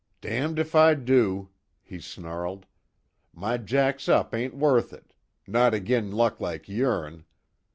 "Damned if I do!" he snarled, "My jacks up ain't worth it not agin luck like yourn."